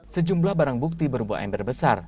sejumlah barang bukti berbuah ember besar